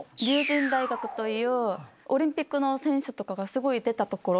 龍仁大学というオリンピックの選手とかがすごい出た所。